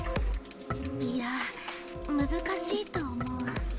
いやむずかしいと思う。